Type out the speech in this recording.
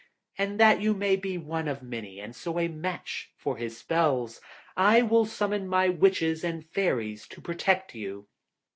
And that you may be one of many, and so a match for his spells, I will summon my Witches and Fairies to protect you.'